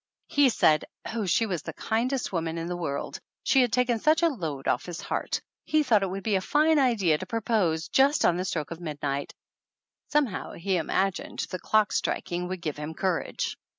He said oh, she was the kindest woman in the world. She had taken such a load off his heart! He thought it would be a fine idea to propose just on the stroke of midnight some how he imagined the clock striking would give him courage!